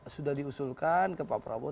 sudah diusulkan ke pak prabowo